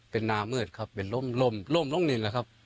เป็นนามืดครับเป็นลมล้มนินแล้วครับ